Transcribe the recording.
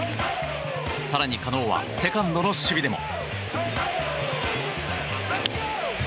更に、カノはセカンドの守備でも。